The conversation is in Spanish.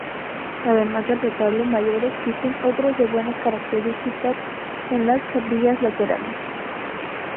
Además del retablo mayor existen otros de buenas características en las capillas laterales.